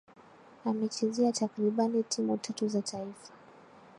Amechezea takribani timu tatu za taifa